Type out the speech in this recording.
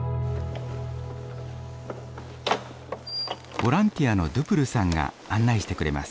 ボランティアのドゥプルさんが案内してくれます。